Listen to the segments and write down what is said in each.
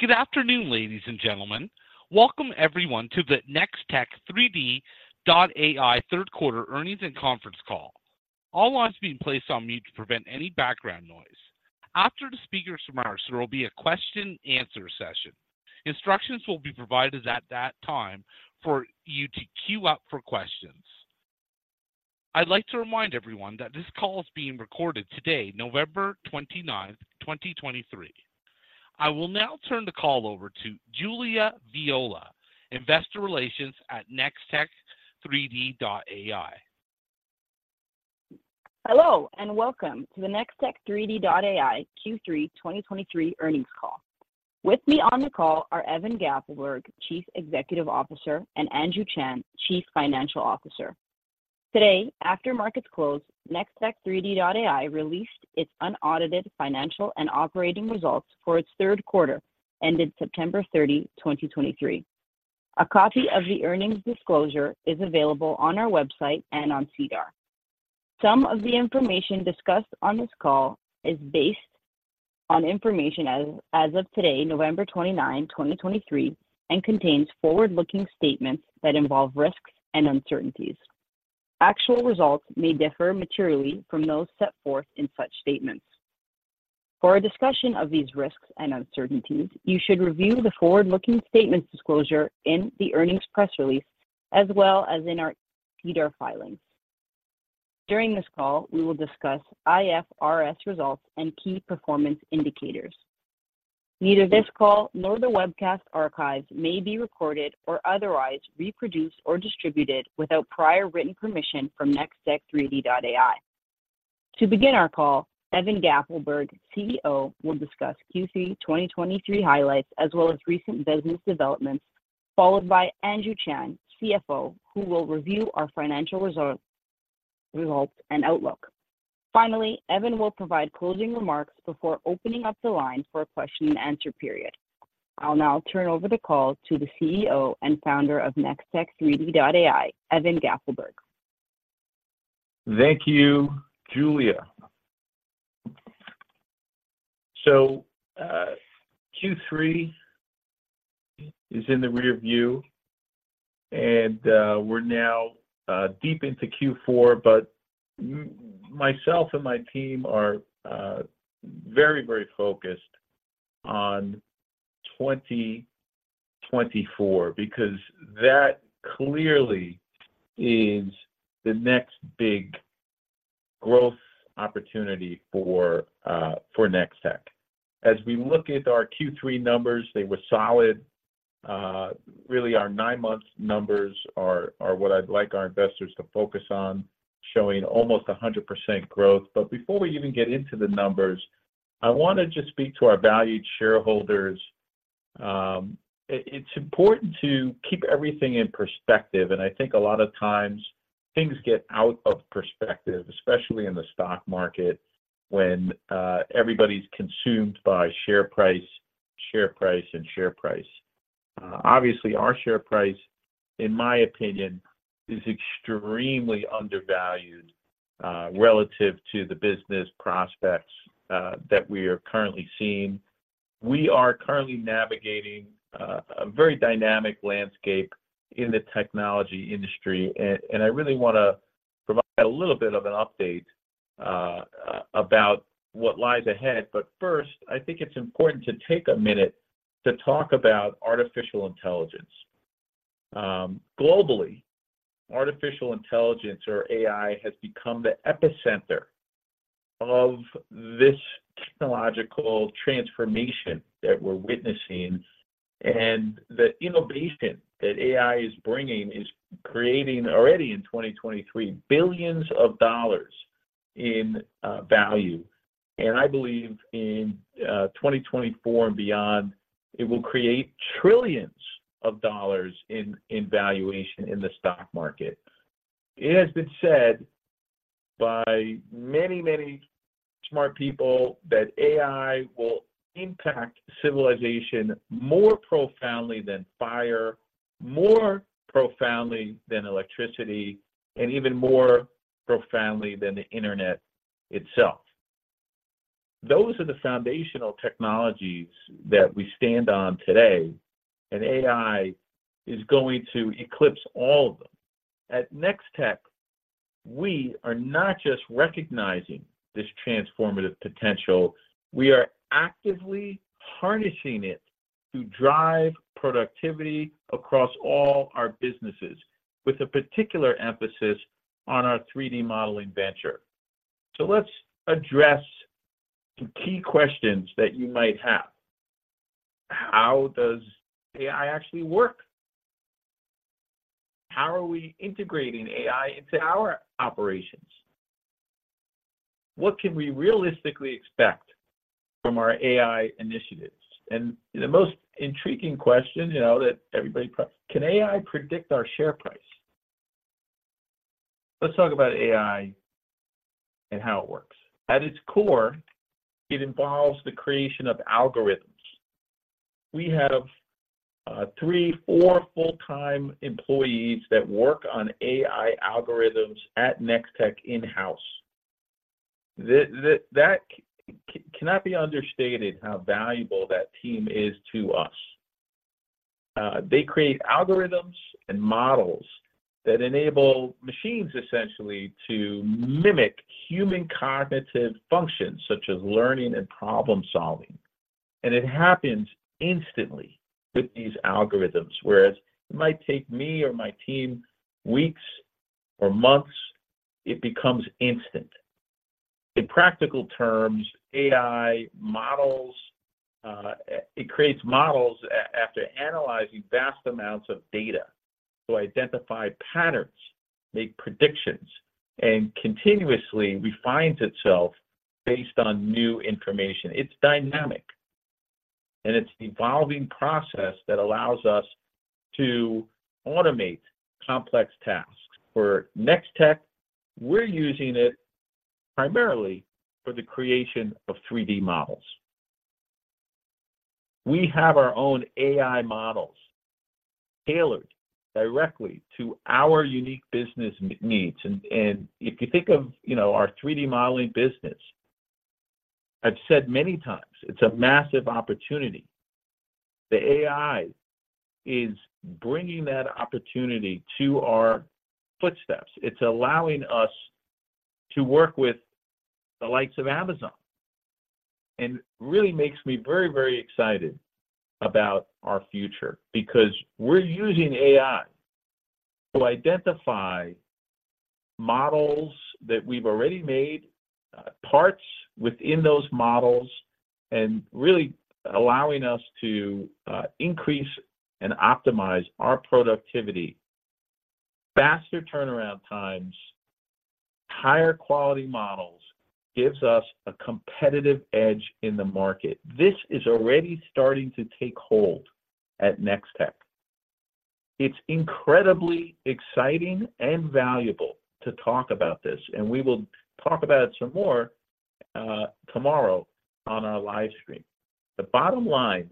Good afternoon, ladies and gentlemen. Welcome everyone to the Nextech3D.ai Third Quarter Earnings and Conference Call. All lines are being placed on mute to prevent any background noise. After the speakers' remarks, there will be a question and answer session. Instructions will be provided at that time for you to queue up for questions. I'd like to remind everyone that this call is being recorded today, November twenty-ninth, twenty twenty-three. I will now turn the call over to Julia Viola, Investor Relations at Nextech3D.ai. Hello, and welcome to the Nextech3D.ai Q3 2023 earnings call. With me on the call are Evan Gappelberg, Chief Executive Officer, and Andrew Chan, Chief Financial Officer. Today, after markets closed, Nextech3D.ai released its unaudited financial and operating results for its third quarter, ended September 30, 2023. A copy of the earnings disclosure is available on our website and on SEDAR. Some of the information discussed on this call is based on information as of today, November 29, 2023, and contains forward-looking statements that involve risks and uncertainties. Actual results may differ materially from those set forth in such statements. For a discussion of these risks and uncertainties, you should review the forward-looking statements disclosure in the earnings press release, as well as in our SEDAR filings. During this call, we will discuss IFRS results and key performance indicators. Neither this call nor the webcast archives may be recorded or otherwise reproduced or distributed without prior written permission from Nextech3D.ai. To begin our call, Evan Gappelberg, CEO, will discuss Q3 2023 highlights, as well as recent business developments, followed by Andrew Chan, CFO, who will review our financial results, results and outlook. Finally, Evan will provide closing remarks before opening up the line for a question and answer period. I'll now turn over the call to the CEO and founder of Nextech3D.ai, Evan Gappelberg. Thank you, Julia. So, Q3 is in the rearview, and we're now deep into Q4, but myself and my team are very, very focused on 2024, because that clearly is the next big growth opportunity for Nextech. As we look at our Q3 numbers, they were solid. Really, our nine-month numbers are what I'd like our investors to focus on, showing almost 100% growth. But before we even get into the numbers, I want to just speak to our valued shareholders. It’s important to keep everything in perspective, and I think a lot of times things get out of perspective, especially in the stock market, when everybody's consumed by share price, share price, and share price. Obviously, our share price, in my opinion, is extremely undervalued, relative to the business prospects that we are currently seeing. We are currently navigating a very dynamic landscape in the technology industry, and I really want to provide a little bit of an update about what lies ahead. But first, I think it's important to take a minute to talk about artificial intelligence. Globally, artificial intelligence, or AI, has become the epicenter of this technological transformation that we're witnessing, and the innovation that AI is bringing is creating, already in 2023, billions of dollars in value. And I believe in 2024 and beyond, it will create trillions of dollars in valuation in the stock market. It has been said by many, many smart people that AI will impact civilization more profoundly than fire, more profoundly than electricity, and even more profoundly than the internet itself. Those are the foundational technologies that we stand on today, and AI is going to eclipse all of them. At Nextech3D.ai, we are not just recognizing this transformative potential, we are actively harnessing it to drive productivity across all our businesses, with a particular emphasis on our 3D modeling venture. So let's address some key questions that you might have. How does AI actually work? How are we integrating AI into our operations? What can we realistically expect from our AI initiatives? And the most intriguing question, you know, that everybody asks: Can AI predict our share price? Let's talk about AI and how it works. At its core, it involves the creation of algorithms. We have, 3, 4 full-time employees that work on AI algorithms at Nextech in-house. That cannot be understated how valuable that team is to us. They create algorithms and models that enable machines essentially to mimic human cognitive functions, such as learning and problem-solving. And it happens instantly with these algorithms, whereas it might take me or my team weeks or months, it becomes instant. In practical terms, AI models, it creates models after analyzing vast amounts of data to identify patterns, make predictions, and continuously refines itself based on new information. It's dynamic, and it's an evolving process that allows us to automate complex tasks. For Nextech, we're using it primarily for the creation of 3D models. We have our own AI models tailored directly to our unique business needs. And if you think of, you know, our 3D modeling business, I've said many times, it's a massive opportunity. The AI is bringing that opportunity to our footsteps. It's allowing us to work with the likes of Amazon, and really makes me very, very excited about our future because we're using AI to identify models that we've already made, parts within those models, and really allowing us to increase and optimize our productivity. Faster turnaround times, higher quality models, gives us a competitive edge in the market. This is already starting to take hold at Nextech. It's incredibly exciting and valuable to talk about this, and we will talk about it some more tomorrow on our live stream. The bottom line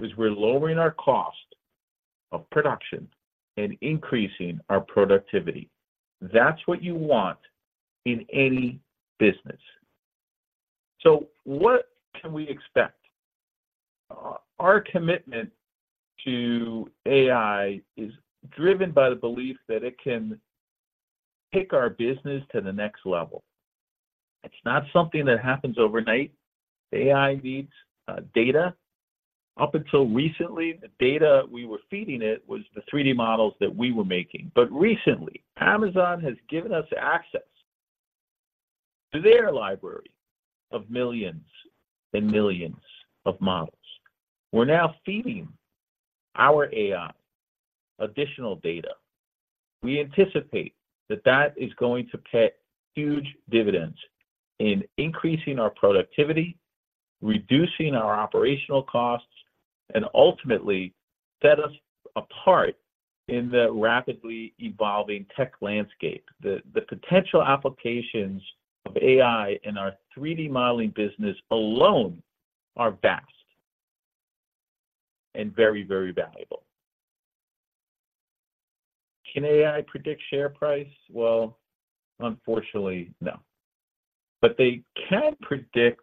is we're lowering our cost of production and increasing our productivity. That's what you want in any business. So what can we expect? Our commitment to AI is driven by the belief that it can take our business to the next level. It's not something that happens overnight. AI needs data. Up until recently, the data we were feeding it was the 3D models that we were making. But recently, Amazon has given us access to their library of millions and millions of models. We're now feeding our AI additional data. We anticipate that that is going to pay huge dividends in increasing our productivity, reducing our operational costs, and ultimately set us apart in the rapidly evolving tech landscape. The potential applications of AI in our 3D modeling business alone are vast and very, very valuable. Can AI predict share price? Well, unfortunately, no. But they can predict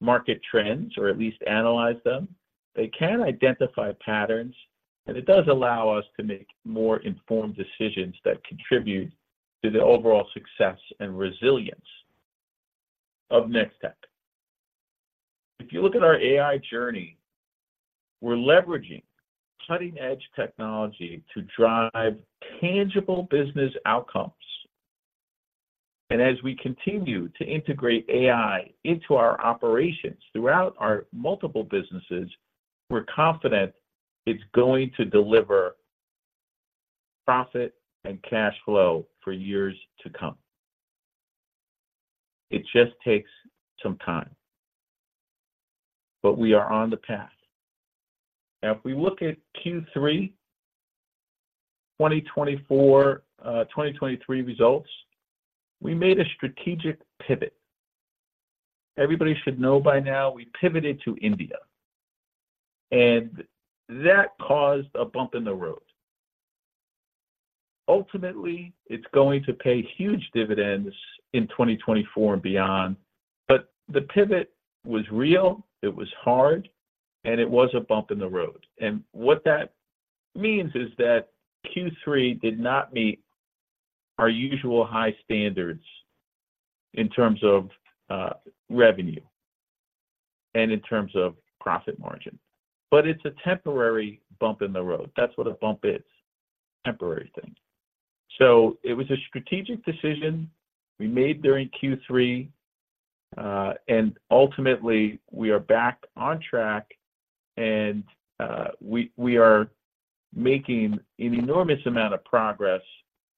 market trends or at least analyze them. They can identify patterns, and it does allow us to make more informed decisions that contribute to the overall success and resilience of Nextech. If you look at our AI journey, we're leveraging cutting-edge technology to drive tangible business outcomes. And as we continue to integrate AI into our operations throughout our multiple businesses, we're confident it's going to deliver profit and cash flow for years to come. It just takes some time, but we are on the path. Now, if we look at Q3 2024, 2023 results, we made a strategic pivot. Everybody should know by now, we pivoted to India, and that caused a bump in the road. Ultimately, it's going to pay huge dividends in 2024 and beyond, but the pivot was real, it was hard, and it was a bump in the road. What that means is that Q3 did not meet our usual high standards in terms of revenue and in terms of profit margin, but it's a temporary bump in the road. That's what a bump is, temporary thing. It was a strategic decision we made during Q3, and ultimately, we are back on track, and we are making an enormous amount of progress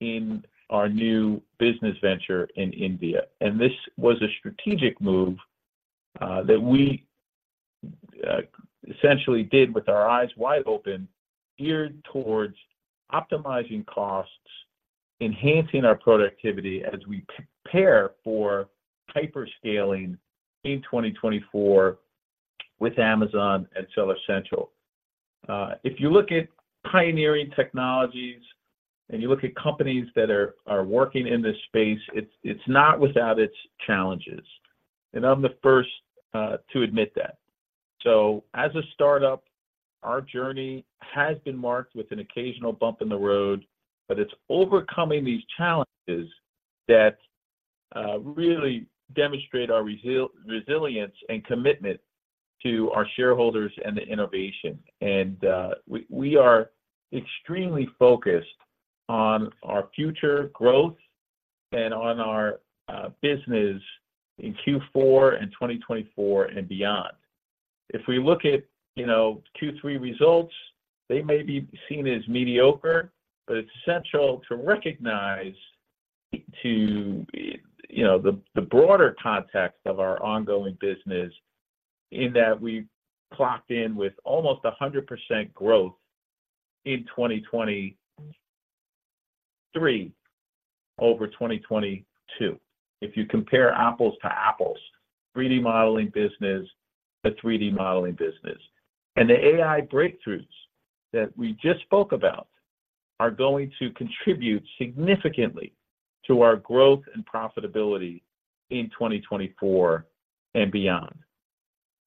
in our new business venture in India. And this was a strategic move that we essentially did with our eyes wide open, geared towards optimizing costs, enhancing our productivity as we prepare for hyper scaling in 2024 with Amazon and Seller Central. If you look at pioneering technologies, and you look at companies that are working in this space, it's not without its challenges, and I'm the first to admit that. So as a startup, our journey has been marked with an occasional bump in the road, but it's overcoming these challenges that really demonstrate our resilience and commitment to our shareholders and the innovation. And we are extremely focused on our future growth and on our business in Q4 and 2024 and beyond. If we look at, you know, Q3 results, they may be seen as mediocre, but it's essential to recognize, you know, the broader context of our ongoing business, in that we clocked in with almost 100% growth in 2023 over 2022. If you compare apples to apples, 3D modeling business to 3D modeling business. And the AI breakthroughs that we just spoke about are going to contribute significantly to our growth and profitability in 2024 and beyond.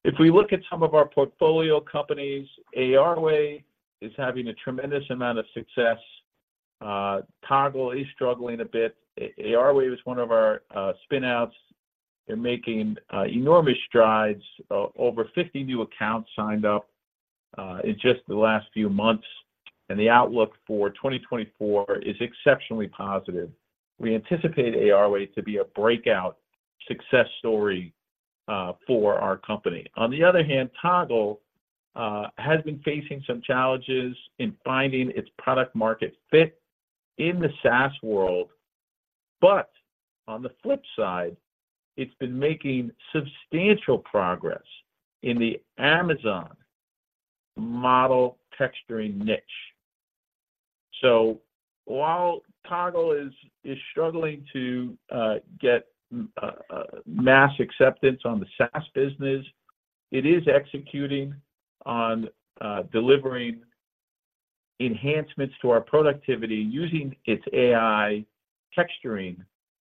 If we look at some of our portfolio companies, ARway is having a tremendous amount of success. Toggle is struggling a bit. ARway was one of our spin-outs. They're making enormous strides. Over 50 new accounts signed up in just the last few months, and the outlook for 2024 is exceptionally positive. We anticipate ARway to be a breakout success story for our company. On the other hand, Toggle has been facing some challenges in finding its product market fit in the SaaS world. But on the flip side, it's been making substantial progress in the Amazon model texturing niche. So while Toggle is struggling to get mass acceptance on the SaaS business, it is executing on delivering enhancements to our productivity using its AI texturing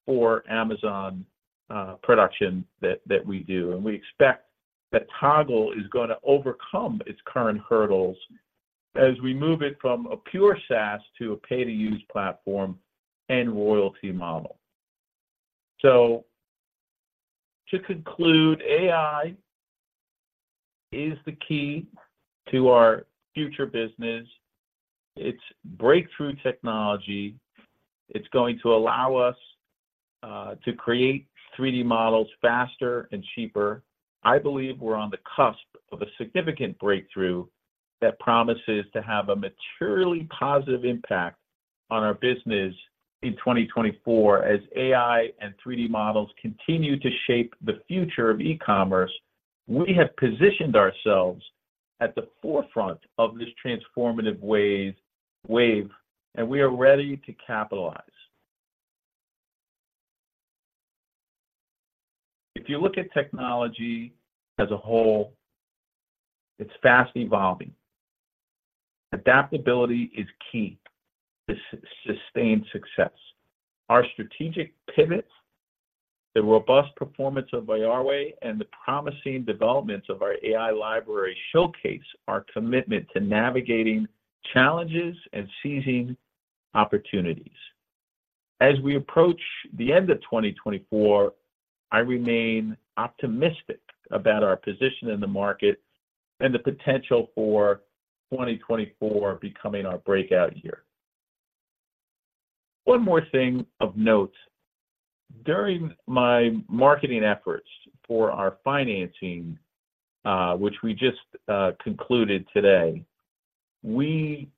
for Amazon production that we do. We expect that Toggle is gonna overcome its current hurdles as we move it from a pure SaaS to a pay-to-use platform and royalty model. So to conclude, AI is the key to our future business. It's breakthrough technology. It's going to allow us to create 3D models faster and cheaper. I believe we're on the cusp of a significant breakthrough that promises to have a materially positive impact on our business in 2024. As AI and 3D models continue to shape the future of e-commerce, we have positioned ourselves at the forefront of this transformative wave, and we are ready to capitalize. If you look at technology as a whole, it's fast evolving. Adaptability is key to sustained success. Our strategic pivots, the robust performance of ARway, and the promising developments of our AI library showcase our commitment to navigating challenges and seizing opportunities. As we approach the end of 2024, I remain optimistic about our position in the market and the potential for 2024 becoming our breakout year. One more thing of note. During my marketing efforts for our financing, which we just concluded today, we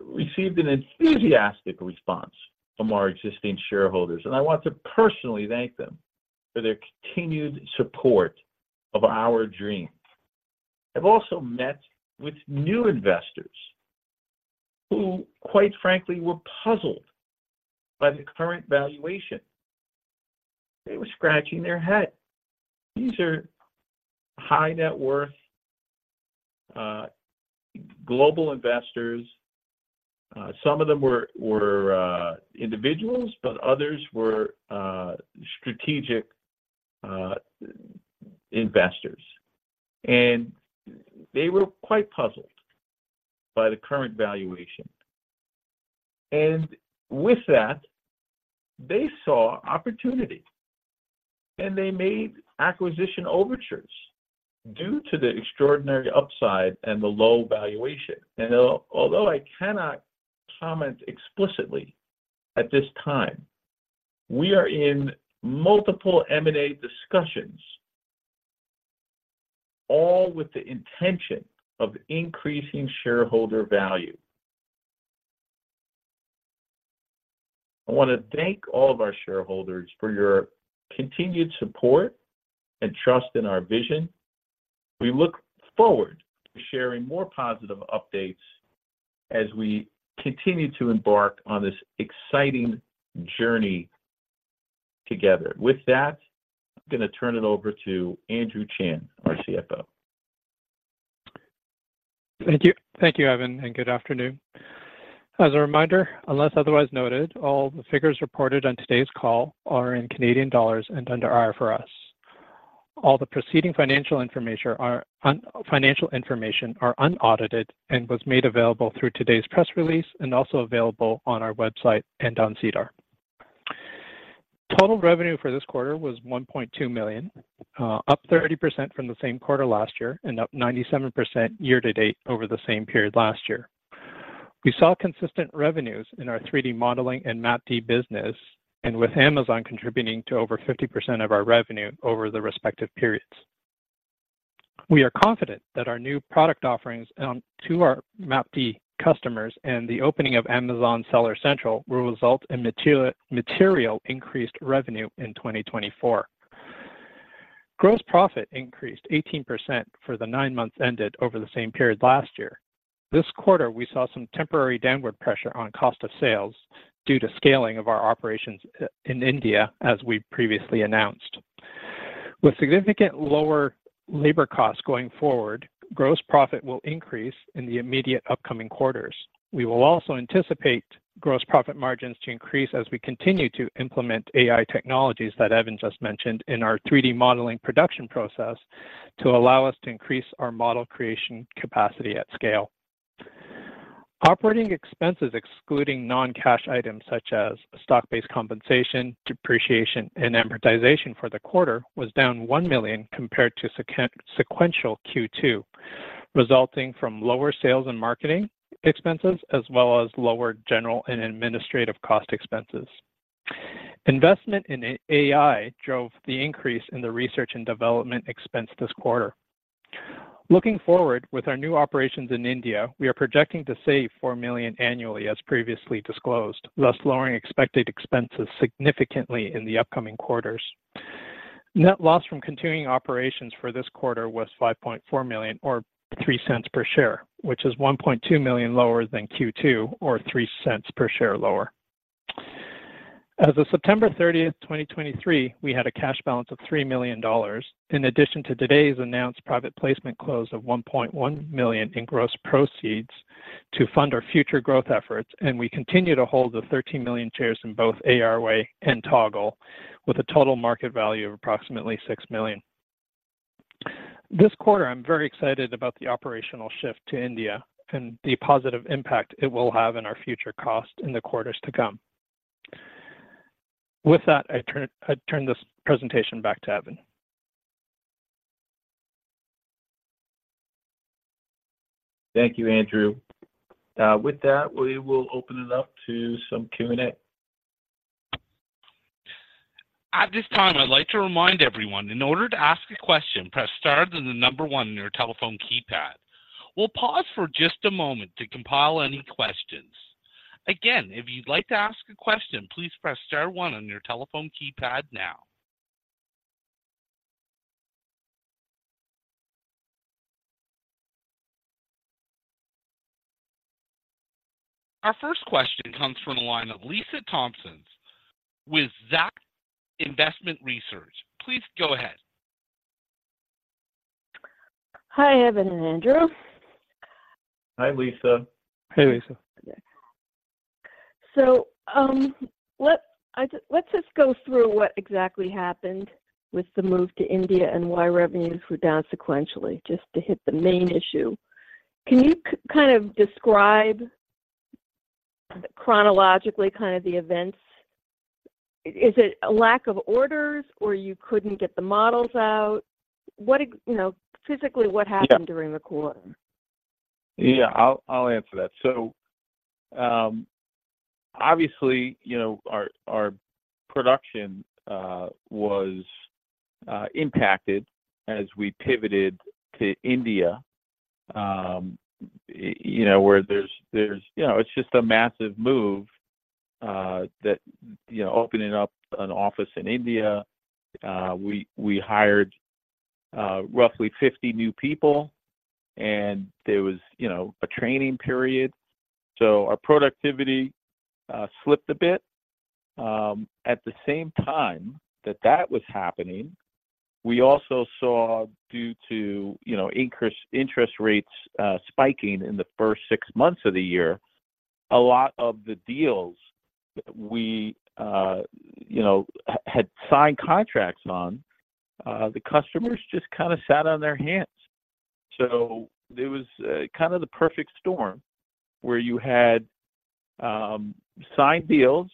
received an enthusiastic response from our existing shareholders, and I want to personally thank them for their continued support of our dream. I've also met with new investors who, quite frankly, were puzzled by the current valuation. They were scratching their head. These are high-net-worth, global investors. Some of them were individuals, but others were strategic investors, and they were quite puzzled by the current valuation. And with that, they saw opportunity, and they made acquisition overtures due to the extraordinary upside and the low valuation. Although I cannot comment explicitly at this time, we are in multiple M&A discussions, all with the intention of increasing shareholder value. I want to thank all of our shareholders for your continued support and trust in our vision. We look forward to sharing more positive updates as we continue to embark on this exciting journey—together. With that, I'm gonna turn it over to Andrew Chan, our CFO. Thank you. Thank you, Evan, and good afternoon. As a reminder, unless otherwise noted, all the figures reported on today's call are in Canadian dollars and under IFRS. All the preceding financial information are unaudited and was made available through today's press release, and also available on our website and on SEDAR. Total revenue for this quarter was 1.2 million, up 30% from the same quarter last year, and up 97% year to date over the same period last year. We saw consistent revenues in our 3D modeling and Map D business, and with Amazon contributing to over 50% of our revenue over the respective periods. We are confident that our new product offerings to our Map D customers and the opening of Amazon Seller Central will result in material increased revenue in 2024. Gross profit increased 18% for the nine months ended over the same period last year. This quarter, we saw some temporary downward pressure on cost of sales due to scaling of our operations in India, as we previously announced. With significant lower labor costs going forward, gross profit will increase in the immediate upcoming quarters. We will also anticipate gross profit margins to increase as we continue to implement AI technologies that Evan just mentioned in our 3D modeling production process, to allow us to increase our model creation capacity at scale. Operating expenses, excluding non-cash items such as stock-based compensation, depreciation, and amortization for the quarter, was down 1 million compared to sequential Q2, resulting from lower sales and marketing expenses, as well as lower general and administrative cost expenses. Investment in AI drove the increase in the research and development expense this quarter. Looking forward, with our new operations in India, we are projecting to save $4 million annually, as previously disclosed, thus lowering expected expenses significantly in the upcoming quarters. Net loss from continuing operations for this quarter was $5.4 million, or $0.03 per share, which is $1.2 million lower than Q2, or $0.03 per share lower. As of September 30, 2023, we had a cash balance of $3 million, in addition to today's announced private placement close of $1.1 million in gross proceeds to fund our future growth efforts, and we continue to hold the 13 million shares in both ARway and Toggle, with a total market value of approximately $6 million. This quarter, I'm very excited about the operational shift to India and the positive impact it will have on our future costs in the quarters to come. With that, I turn this presentation back to Evan. Thank you, Andrew. With that, we will open it up to some Q&A. At this time, I'd like to remind everyone, in order to ask a question, press star, then the number one on your telephone keypad. We'll pause for just a moment to compile any questions. Again, if you'd like to ask a question, please press star one on your telephone keypad now. Our first question comes from the line of Lisa Thompson with Zacks Investment Research. Please go ahead. Hi, Evan and Andrew. Hi, Lisa. Hey, Lisa. So, let's just go through what exactly happened with the move to India and why revenues were down sequentially, just to hit the main issue. Can you kind of describe chronologically, kind of the events? Is it a lack of orders, or you couldn't get the models out? What you know, physically, what happened during the quarter? Yeah, I'll answer that. So, obviously, you know, our production was impacted as we pivoted to India, you know, where there's—you know, it's just a massive move, that, you know, opening up an office in India, we hired roughly 50 new people, and there was, you know, a training period, so our productivity slipped a bit. At the same time that was happening, we also saw, due to, you know, increasing interest rates spiking in the first six months of the year, a lot of the deals that we, you know, had signed contracts on, the customers just kind of sat on their hands. So it was kind of the perfect storm, where you had signed deals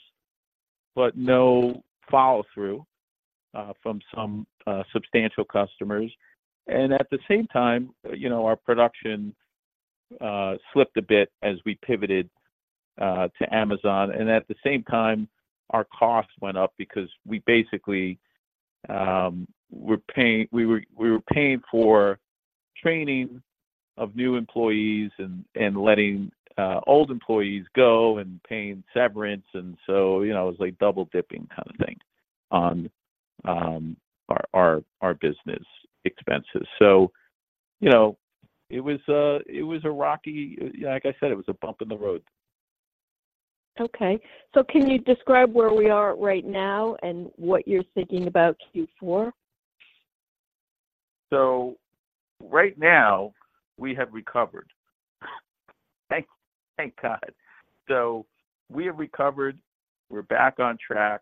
but no follow-through from some substantial customers, and at the same time, you know, our production slipped a bit as we pivoted to Amazon. And at the same time, our costs went up because we basically were paying for training of new employees and letting old employees go, and paying severance, and so, you know, it was like double-dipping kind of thing, our business expenses. So, you know, it was a rocky, like I said, it was a bump in the road. Okay. So can you describe where we are right now and what you're thinking about Q4? So right now, we have recovered. Thank God. So we have recovered. We're back on track.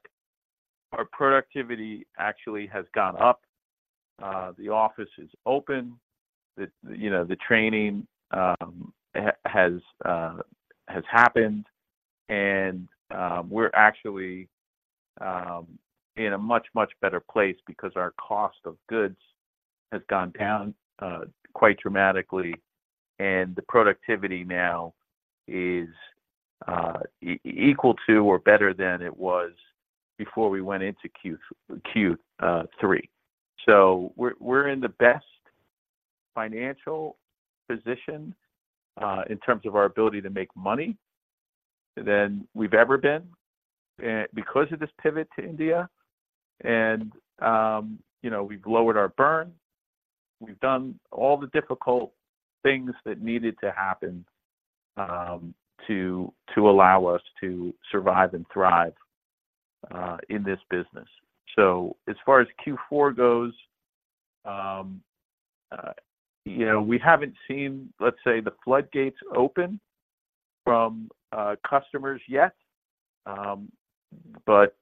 Our productivity actually has gone up. The office is open. You know, the training has happened, and we're actually in a much, much better place because our cost of goods has gone down quite dramatically, and the productivity now is equal to or better than it was before we went into Q3. So we're in the best financial position in terms of our ability to make money than we've ever been, eh, because of this pivot to India. And you know, we've lowered our burn. We've done all the difficult things that needed to happen to allow us to survive and thrive in this business. So as far as Q4 goes, you know, we haven't seen, let's say, the floodgates open from customers yet, but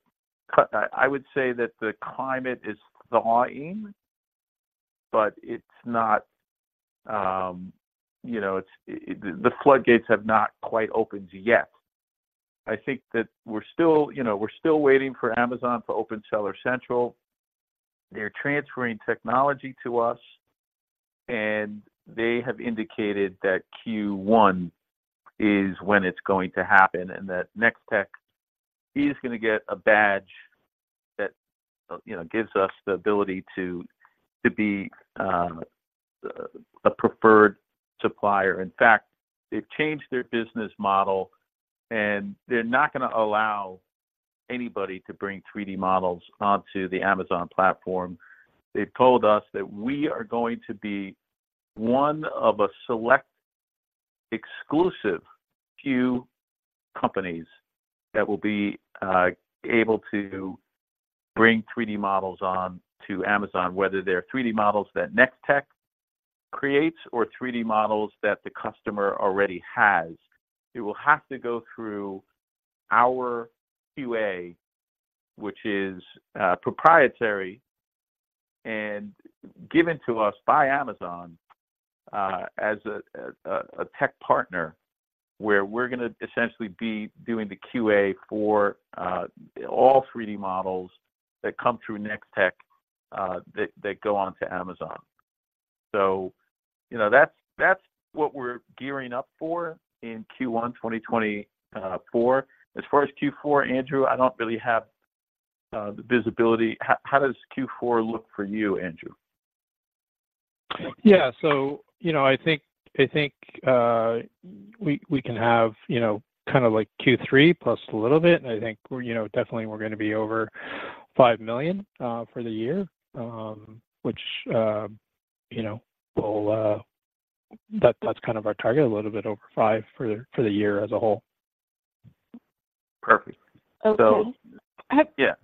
I would say that the climate is thawing, but it's not, you know, the floodgates have not quite opened yet. I think that we're still, you know, we're still waiting for Amazon to open Seller Central. They're transferring technology to us, and they have indicated that Q1 is when it's going to happen, and that Nextech is gonna get a badge that, you know, gives us the ability to be a preferred supplier. In fact, they've changed their business model, and they're not gonna allow anybody to bring 3D models onto the Amazon platform. They've told us that we are going to be one of a select, exclusive few companies that will be able to bring 3D models on to Amazon, whether they're 3D models that Nextech creates or 3D models that the customer already has. It will have to go through our QA, which is proprietary and given to us by Amazon as a tech partner, where we're gonna essentially be doing the QA for all 3D models that come through Nextech that go on to Amazon. So, you know, that's what we're gearing up for in Q1 2024. As far as Q4, Andrew, I don't really have the visibility. How does Q4 look for you, Andrew? Yeah. So, you know, I think we can have, you know, kind of like Q3 plus a little bit, and I think we're, you know, definitely gonna be over 5 million for the year, which, you know, that's kind of our target, a little bit over 5 million for the year as a whole. Perfect. Okay. Yeah.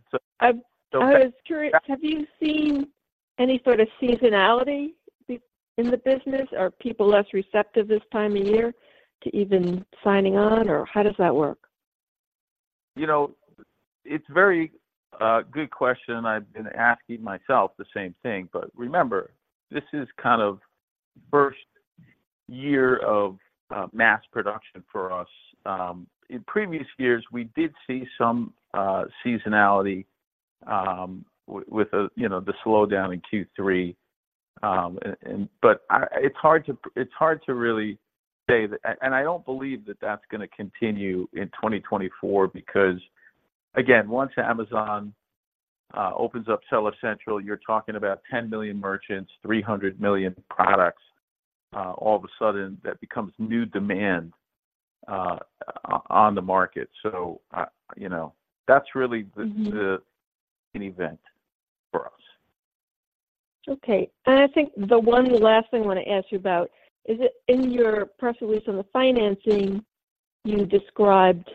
I was curious, have you seen any sort of seasonality being in the business? Are people less receptive this time of year to even signing on, or how does that work? You know, it's a very good question. I've been asking myself the same thing, but remember, this is kind of first year of mass production for us. In previous years, we did see some seasonality with you know, the slowdown in Q3. But it's hard to, it's hard to really say, and I don't believe that that's gonna continue in 2024, because again, once Amazon opens up Seller Central, you're talking about 10 million merchants, 300 million products, all of a sudden, that becomes new demand on the market. So you know, that's really the an event for us. Okay. I think the one last thing I want to ask you about is, in your press release on the financing, you described,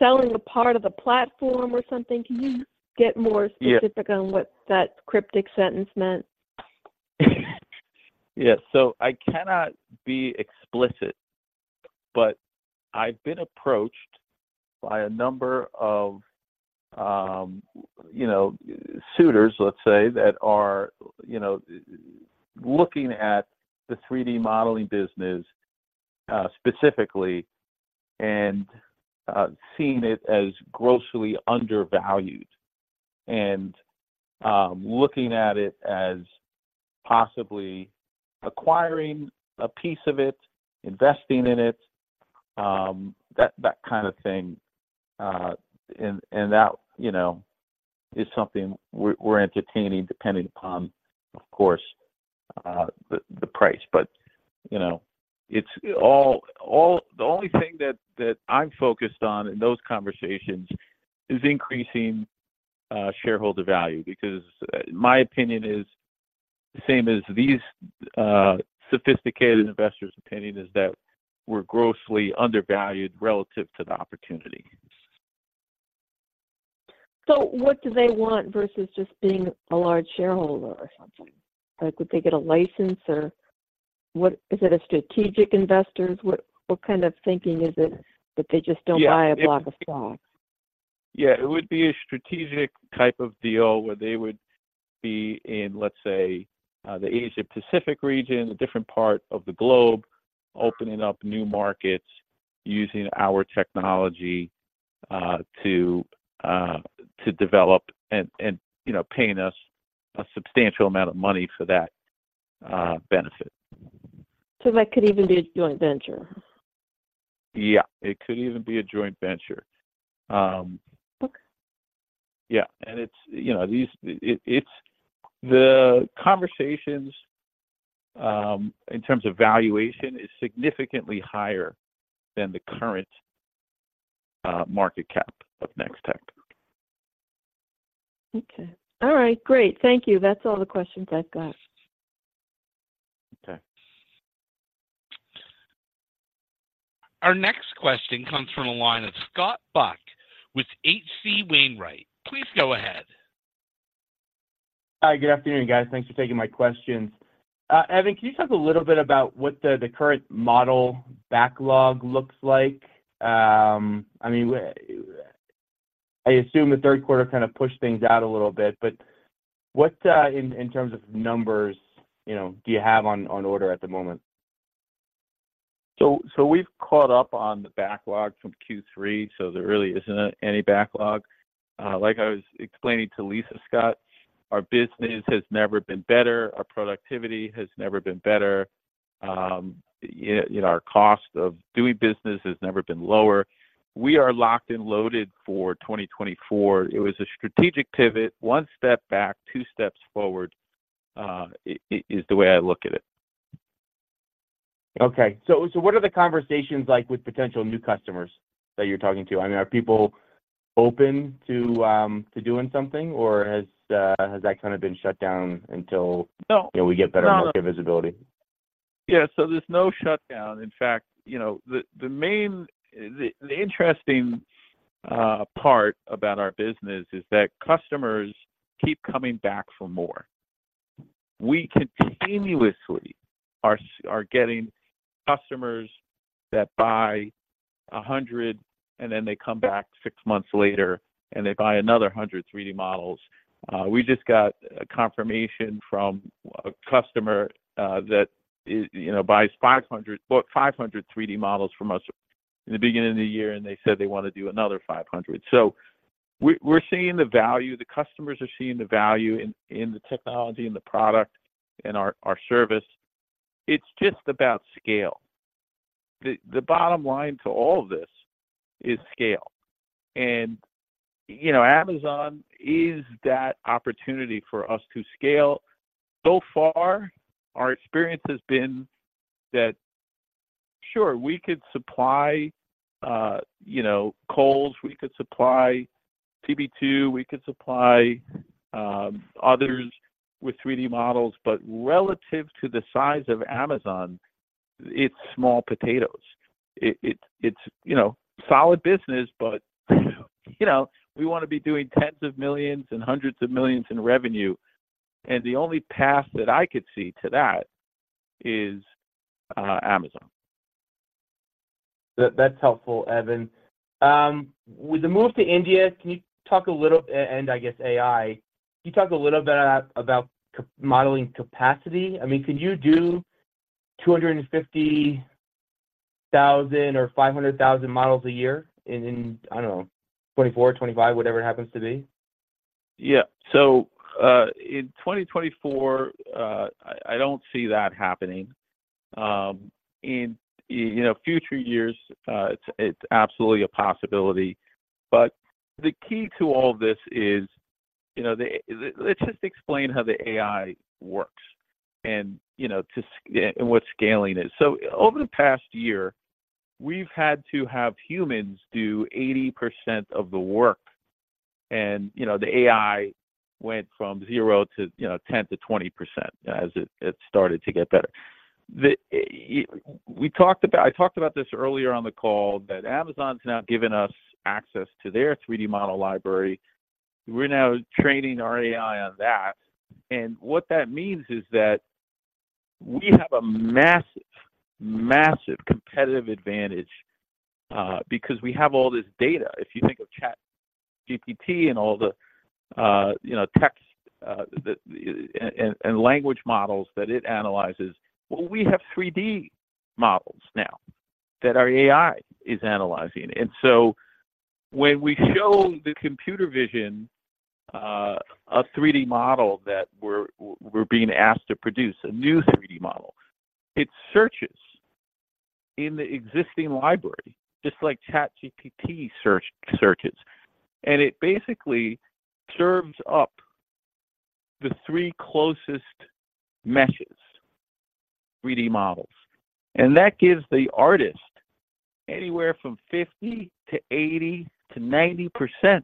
selling a part of the platform or something. Can you get more specific on what that cryptic sentence meant? Yeah. So I cannot be explicit, but I've been approached by a number of, you know, suitors, let's say, that are, you know, looking at the 3D modeling business, specifically, and, seeing it as grossly undervalued, and, looking at it as possibly acquiring a piece of it, investing in it, that, that kind of thing. And, and that, you know, is something we're, we're entertaining, depending upon, of course, the, the price. But, you know, it's all, all, the only thing that, that I'm focused on in those conversations is increasing, shareholder value, because my opinion is the same as these, sophisticated investors' opinion, is that we're grossly undervalued relative to the opportunity. So what do they want versus just being a large shareholder or something? Like, would they get a license, or what is it a strategic investors? What kind of thinking is it that they just don't buy a block of stock? Yeah, it would be a strategic type of deal where they would be in, let's say, the Asia-Pacific region, a different part of the globe, opening up new markets, using our technology, to develop and, you know, paying us a substantial amount of money for that benefit. That could even be a joint venture? Yeah, it could even be a joint venture. Okay. Yeah, and it's, you know, it's the conversations in terms of valuation is significantly higher than the current market cap of Nextech. Okay. All right, great. Thank you. That's all the questions I've got. Okay. Our next question comes from the line of Scott Buck with H.C. Wainwright. Please go ahead. Hi, good afternoon, guys. Thanks for taking my questions. Evan, can you talk a little bit about what the current model backlog looks like? I mean, I assume the third quarter kind of pushed things out a little bit, but what, in terms of numbers, you know, do you have on order at the moment? So we've caught up on the backlog from Q3, so there really isn't any backlog. Like I was explaining to Lisa, Scott, our business has never been better, our productivity has never been better. You know, our cost of doing business has never been lower. We are locked and loaded for 2024. It was a strategic pivot, one step back, two steps forward, is the way I look at it. Okay, so what are the conversations like with potential new customers that you're talking to? I mean, are people open to doing something, or has that kind of been shut down until— No. You know, we get better market visibility? Yeah, so there's no shutdown. In fact, you know, the main, the interesting part about our business is that customers keep coming back for more. We continuously are getting customers that buy 100, and then they come back six months later, and they buy another 100 3D models. We just got a confirmation from a customer that you know, buys 500, bought 500 3D models from us in the beginning of the year, and they said they want to do another 500. So we're seeing the value, the customers are seeing the value in the technology, in the product, in our service. It's just about scale. The bottom line to all of this is scale, and you know, Amazon is that opportunity for us to scale. So far, our experience has been that, sure, we could supply, you know, Kohl's, we could supply CB2, we could supply others with 3D models, but relative to the size of Amazon, it's small potatoes. It's, you know, solid business, but, you know, we want to be doing tens of millions CAD and hundreds of millions CAD in revenue, and the only path that I could see to that is Amazon. That's helpful, Evan. With the move to India, can you talk a little—and I guess AI, can you talk a little bit about modeling capacity? I mean, can you do 250,000 or 500,000 models a year in, I don't know, 2024, 2025, whatever it happens to be? Yeah. So in 2024, I don't see that happening. You know, in future years, it's absolutely a possibility. But the key to all of this is, you know, the- let's just explain how the AI works and what scaling is. So over the past year, we've had to have humans do 80% of the work, and you know, the AI went from zero to 10%-20% as it started to get better. We talked about, I talked about this earlier on the call, that Amazon's now given us access to their 3D model library. We're now training our AI on that, and what that means is that we have a massive, massive competitive advantage because we have all this data. If you think of ChatGPT and all the, you know, text, the language models that it analyzes, well, we have 3D models now that our AI is analyzing. And so when we show the computer vision a 3D model that we're being asked to produce, a new 3D model, it searches in the existing library, just like ChatGPT searches. And it basically serves up the three closest meshes, 3D models, and that gives the artist anywhere from 50% to 80% to 90%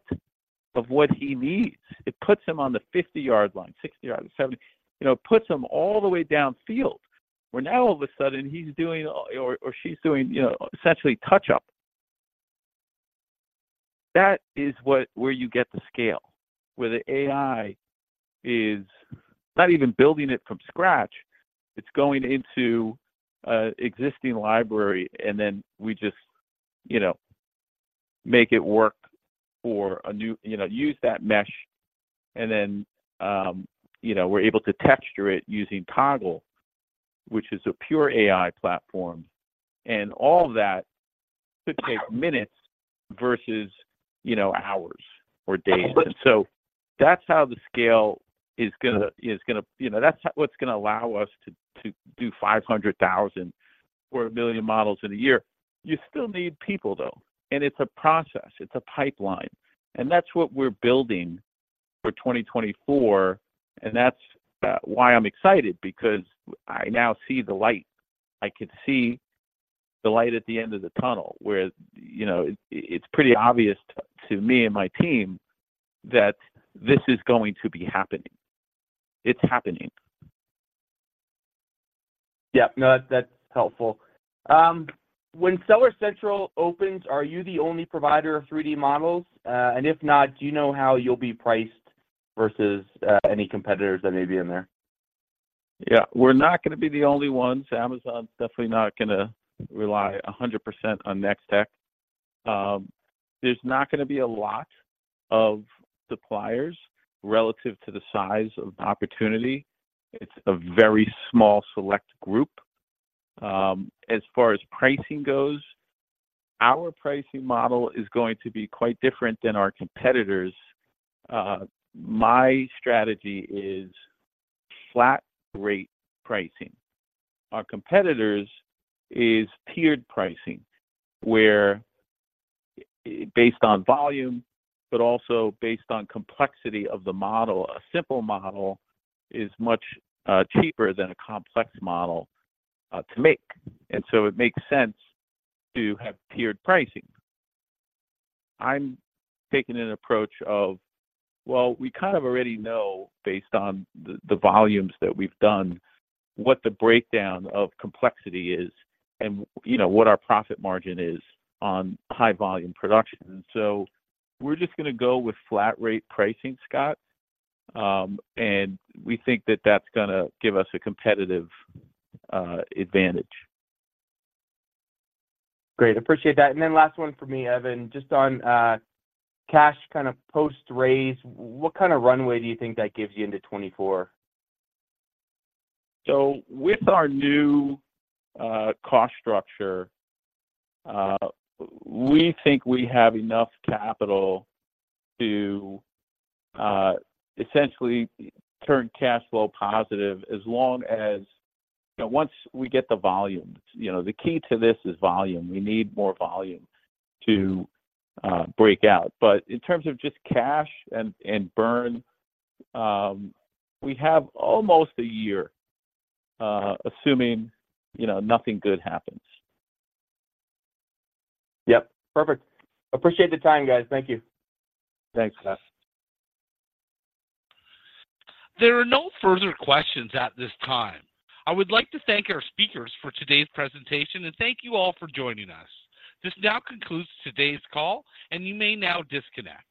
of what he needs. It puts him on the 50-yard line, 60-yard line, 70. You know, puts him all the way downfield, where now all of a sudden he's doing, or she's doing, you know, essentially touch-up. That is where you get the scale, where the AI is not even building it from scratch, it's going into existing library, and then we just, you know, make it work for a new, you know, use that mesh, and then, you know, we're able to texture it using Toggle, which is a pure AI platform, and all that could take minutes versus, you know, hours or days. And so that's how the scale is gonna, you know, that's what's gonna allow us to do 500,000 or a million models in a year. You still need people, though, and it's a process, it's a pipeline, and that's what we're building for 2024, and that's why I'm excited, because I now see the light. I can see the light at the end of the tunnel, where, you know, it's pretty obvious to me and my team that this is going to be happening. It's happening. Yeah, no, that's, that's helpful. When Seller Central opens, are you the only provider of 3D models? And if not, do you know how you'll be priced versus any competitors that may be in there? Yeah, we're not gonna be the only ones. Amazon's definitely not gonna rely 100% on Nextech. There's not gonna be a lot of suppliers relative to the size of the opportunity. It's a very small, select group. As far as pricing goes, our pricing model is going to be quite different than our competitors. My strategy is flat-rate pricing. Our competitors is tiered pricing, where, based on volume, but also based on complexity of the model. A simple model is much cheaper than a complex model to make, and so it makes sense to have tiered pricing. I'm taking an approach of, well, we kind of already know, based on the volumes that we've done, what the breakdown of complexity is and, you know, what our profit margin is on high-volume production. We're just gonna go with flat-rate pricing, Scott, and we think that that's gonna give us a competitive advantage. Great, appreciate that. And then last one for me, Evan, just on cash, kind of post-raise, what kind of runway do you think that gives you into 2024? So with our new cost structure, we think we have enough capital to essentially turn cash flow positive as long as—you know, once we get the volume. You know, the key to this is volume. We need more volume to break out. But in terms of just cash and burn, we have almost a year, assuming, you know, nothing good happens. Yep. Perfect. Appreciate the time, guys. Thank you. Thanks, Scott. There are no further questions at this time. I would like to thank our speakers for today's presentation, and thank you all for joining us. This now concludes today's call, and you may now disconnect.